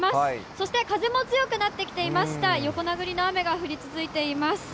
そして風も強くなってきていまして、横殴りの雨が降り続いています。